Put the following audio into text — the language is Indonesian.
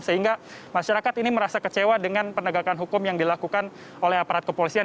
sehingga masyarakat ini merasa kecewa dengan penegakan hukum yang dilakukan oleh aparat kepolisian